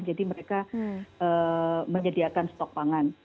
jadi mereka menyediakan stok pangan